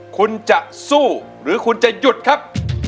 คุณจะสู้หรือคุณจะหยุดครับ